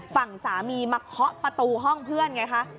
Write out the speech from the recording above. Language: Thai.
ฝั่งสามีมาเคาะประตูห้องเพื่อนไงคะ